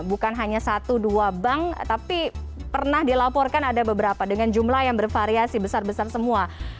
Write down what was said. bukan hanya satu dua bank tapi pernah dilaporkan ada beberapa dengan jumlah yang bervariasi besar besar semua